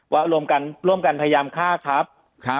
ว่าร่วมกันร่วมกันพยายามฆ่าครับครับ